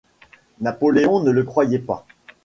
Napoléon ne le croyait pas.